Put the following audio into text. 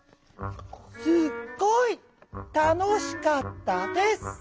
「すっごいたのしかったです」。